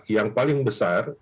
papua yang paling besar